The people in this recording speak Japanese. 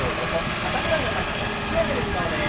肩ぐらいの高さに引き上げる運動です。